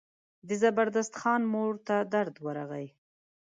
د زبردست خان مور ته درد ورغی.